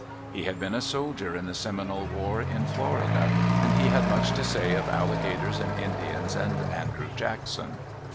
He had been a soldier in the Seminole war in Florida, and he had much to say of alligators and Indians and Andrew Jackson.